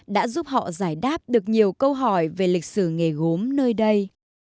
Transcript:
đã giúp họ giải đáp được nhiều câu hỏi về lịch sử nghề gốm nơi đây